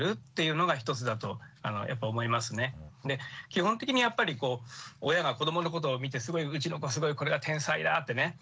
基本的にやっぱりこう親が子どものことを見てすごいうちの子すごいこれが天才だってね思う